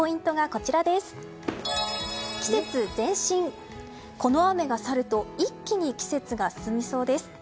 この雨が去ると一気に季節が進みそうです。